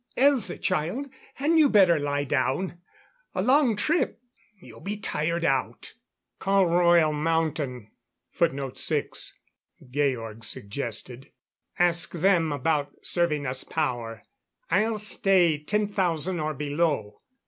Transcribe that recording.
Elza child, hadn't you better lie down? A long trip you'll be tired out." "Call Royal Mountain," Georg suggested. "Ask them about serving us power; I'll stay 10,000 or below.